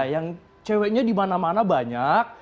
yang ceweknya di mana mana banyak